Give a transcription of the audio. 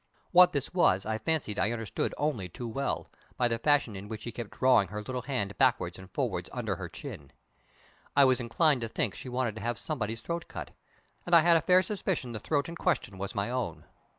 What this was I fancied I understood only too well, by the fashion in which she kept drawing her little hand backward and forward under her chin. I was inclined to think she wanted to have somebody's throat cut, and I had a fair suspicion the throat in question was my own.